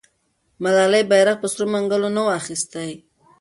ملالۍ بیرغ په سرو منګولو نه و اخیستی.